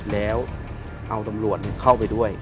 แล้วเอาตำรวจเข้าไปด้วย